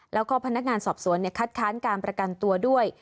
แล้วก็พนักงานสอบสวนคัดค้านการประกันตัวด้วย